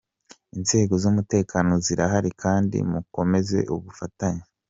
Inzego z’umutekano zirahari kandi mukomeze ubufatanye.